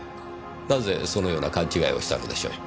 なぜそのような勘違いをしたのでしょう？